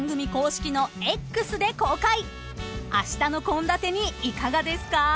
［あしたの献立にいかがですか？］